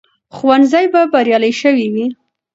ښوونځي به بریالي شوي وي.